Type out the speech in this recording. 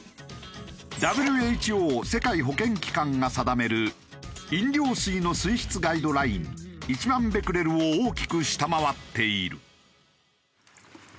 ＷＨＯ世界保健機関が定める飲料水の水質ガイドライン１万ベクレルを大きく下回っている。